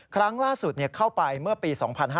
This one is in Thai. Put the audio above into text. ครั้งล่าสุดเข้าไปเมื่อปี๒๕๕๙